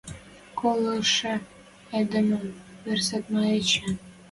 Колышы эдемӹм вырсет ма эче?..